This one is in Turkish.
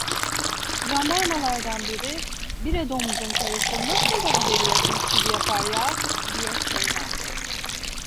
Candarmalardan biri: "Bire domuzun karısı, nasıl da haberi yokmuş gibi yapar ya!" diye söylendi.